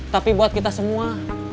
tapi buat kita semua